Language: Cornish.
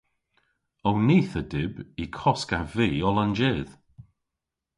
Ow nith a dyb y koskav vy oll an jydh.